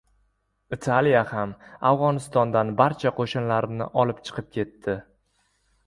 Italiya ham Afg‘onistondan barcha qo‘shinlarini olib chiqib ketdi